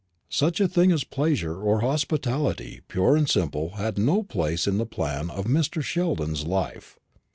Such a thing as pleasure or hospitality pure and simple had no place in the plan of Mr. Sheldon's life.